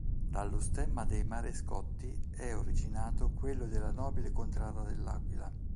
Dallo stemma dei Marescotti è originato quello della Nobile Contrada dell'Aquila.